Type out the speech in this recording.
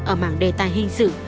ở mạng đề tài hình sự